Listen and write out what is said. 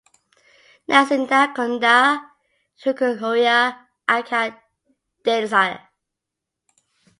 Nasinda kunda kukughoria agha diisire.